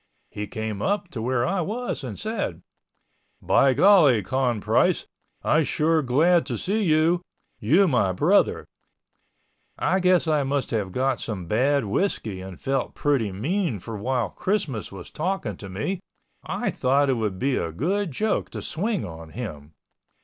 He came up to where I was and said, "By golly Con Price I sure glad to see you, you my brother." I guess I must have got some bad whiskey and felt pretty mean for while Christmas was talking to me I thought it would be a good joke to swing on him.